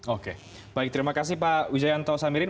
oke baik terima kasih pak wijayanto samirin